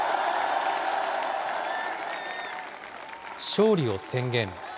勝利を宣言。